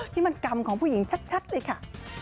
ที่มันกรรมของผู้หญิงชัดเลยค่ะ